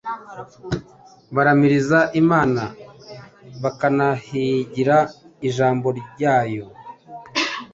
baramiriza Imana bakanahigira ijambo ryayo,